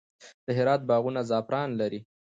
د هرات باغونه زعفران لري.